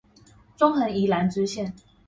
中橫宜蘭支線